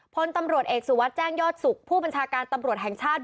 พลตำรวจเอกสุวัสดิ์แจ้งยอดสุขผู้บัญชาการตำรวจแห่งชาติ